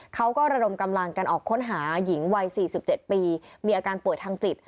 ระดมกำลังกันออกค้นหาหญิงวัย๔๗ปีมีอาการป่วยทางจิต